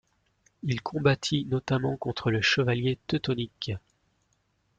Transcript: Il combattit notamment contre les Chevaliers teutoniques.